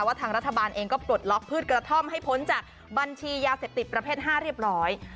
ทางรัฐบาลเองก็ปลดล็อกพืชกระท่อมให้พ้นจากบัญชียาเสพติดประเภท๕เรียบร้อย